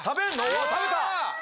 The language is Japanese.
わっ食べた！